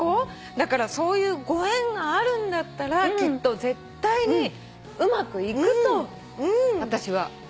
だからそういうご縁があるんだったらきっと絶対にうまくいくと私は思うわけ。